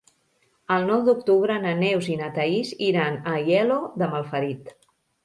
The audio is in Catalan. El nou d'octubre na Neus i na Thaís iran a Aielo de Malferit.